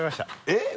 えっ？